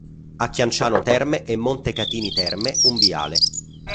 A Chianciano Terme e Montecatini Terme un viale.